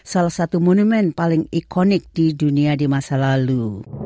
salah satu monumen paling ikonik di dunia di masa lalu